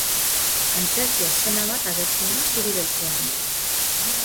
Antzerki eszena bat agertzen da zuri beltzean.